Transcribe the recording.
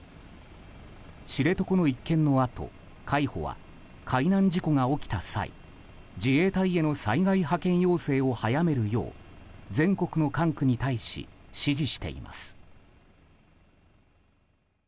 知床の一件のあと海保は海難事故が起きた際自衛隊への災害派遣要請を早めるよう全国の管区に対し指示しています。